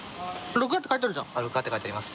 録画って書いてあります。